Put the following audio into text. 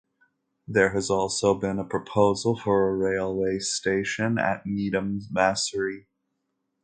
There has also been a proposal for a railway station at Nedumbassery.